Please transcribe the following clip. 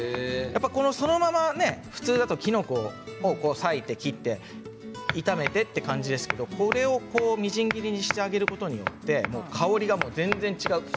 そのまま普通だときのこは割いて切って炒めてという感じですけどみじん切りにしてあげることによって香りが全然違います。